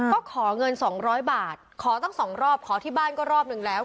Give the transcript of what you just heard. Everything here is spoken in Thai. ก็ขอเงิน๒๐๐บาทขอตั้ง๒รอบขอที่บ้านก็รอบหนึ่งแล้ว